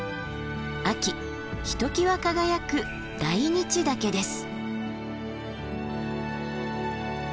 秋ひときわ輝く大日岳です。